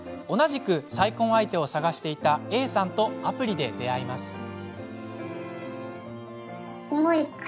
同じく再婚相手を探していたＡさんとアプリで出会います。